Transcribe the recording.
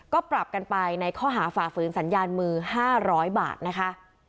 ก็ปรับกันไปในข้อหาฝ่าฝืนสัญญาณมือ๕๐๐บาทนะคะ